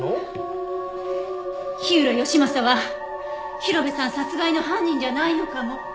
火浦義正は広辺さん殺害の犯人じゃないのかも。